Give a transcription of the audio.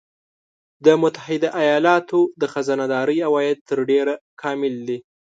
د متحده ایالاتو د خزانه داری عواید تر ډېره کامل دي